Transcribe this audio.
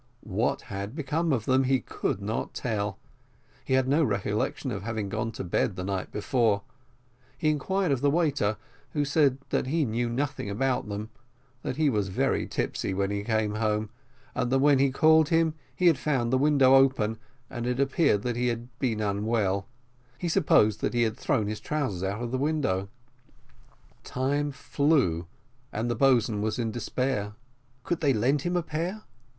What had become of them, he could not tell: he had no recollection of having gone to bed the night before; he inquired of the waiter, who said that he knew nothing about them that he was very tipsy when he came home, and that when he called him, he had found the window open, and it appeared that he had been unwell he supposed that he had thrown his trousers out of the window. Time flew, and the boatswain was in despair. "Could they lend him a pair?"